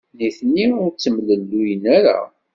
Nitni ur ttemlelluyen ara.